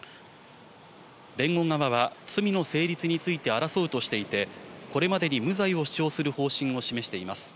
弁護側は罪の成立について争うとしていて、これまでに無罪を主張する方針を示しています。